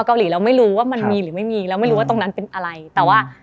เกาหลีเราไม่รู้ว่ามันมีหรือไม่มีเราไม่รู้ว่าตรงนั้นเป็นอะไรแต่ว่า